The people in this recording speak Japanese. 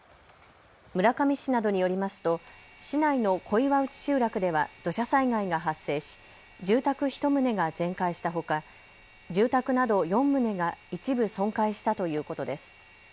村上市などによりますと市内の小岩内集落では土砂災害が発生し住宅１棟が全壊したほか、住宅など４棟が一部損壊したということです。